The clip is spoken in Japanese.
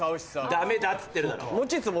ダメだっつってるだろ。